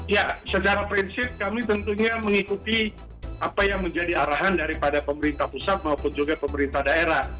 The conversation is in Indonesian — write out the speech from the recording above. ya secara prinsip kami tentunya mengikuti apa yang menjadi arahan daripada pemerintah pusat maupun juga pemerintah daerah